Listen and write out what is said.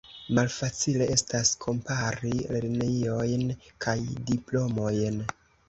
Malfacile estas kompari lernejojn kaj diplomojn.